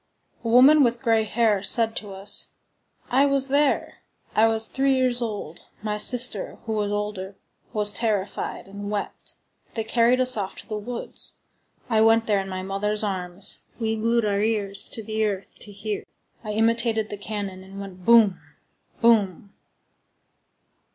A woman with gray hair said to us: "I was there. I was three years old. My sister, who was older, was terrified and wept. They carried us off to the woods. I went there in my mother's arms. We glued our ears to the earth to hear. I imitated the cannon, and went _boum! boum!